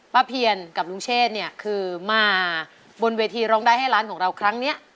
เพียนกับลุงเชษเนี่ยคือมาบนเวทีร้องได้ให้ร้านของเราครั้งนี้